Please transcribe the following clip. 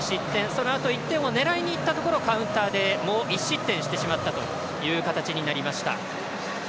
そのあと１点を狙いにいったところをカウンターでもう１失点してしまったという形になりました。